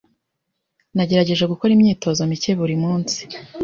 Nagerageje gukora imyitozo mike buri munsi.